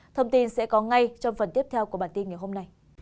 thông tin sẽ có ngay trong phần tiếp theo của bản tin ngày hôm nay